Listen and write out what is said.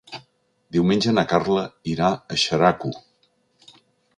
Diumenge na Carla irà a Xeraco.